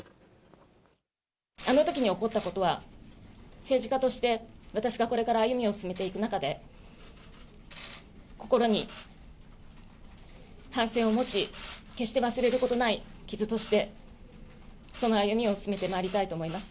あのときに起こったことは、政治家として私がこれから歩みを進めていく中で、心に反省を持ち、決して忘れることない傷としてその歩みを進めてまいりたいと思います。